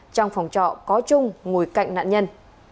trong phòng trọ có trung ngồi cạnh nạn nhân